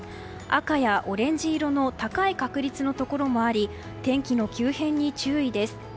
赤やオレンジ色の高い確率のところもあり天気の急変に注意です。